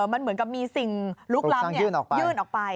มันเหมือนกับมีสิ่งลุกล้ำยื่นออกไป